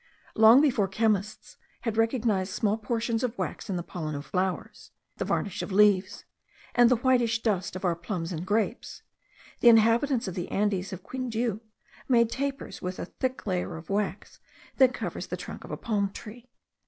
Long before chemists had recognized small portions of wax in the pollen of flowers, the varnish of leaves, and the whitish dust of our plums and grapes, the inhabitants of the Andes of Quindiu made tapers with the thick layer of wax that covers the trunk of a palm tree.